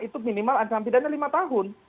itu minimal ancaman pidana lima tahun